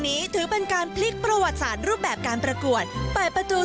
ถือเป็นการพลิกประวัติศาสตร์รูปแบบการประกวดเปิดประตู